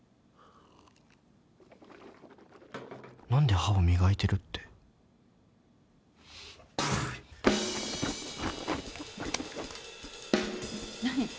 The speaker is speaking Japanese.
何で歯を磨いてるって何？